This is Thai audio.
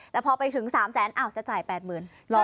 แล้วพอไปถึง๓๐๐๐๐๐บาทจะจ่าย๘๐๐๐๐บาท